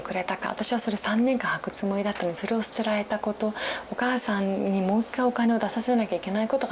私はそれ３年間履くつもりだったのにそれを捨てられたことお母さんにもう１回お金を出させなきゃいけないことがつらかった。